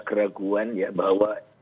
keraguan ya bahwa